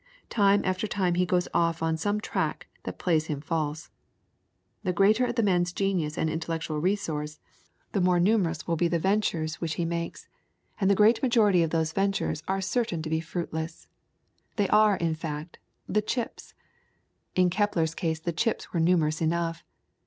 Time after time he goes off on some track that plays him false. The greater the man's genius and intellectual resource, the more numerous will be the ventures which he makes, and the great majority of those ventures are certain to be fruitless. They are in fact, the "chips." In Kepler's case the chips were numerous enough.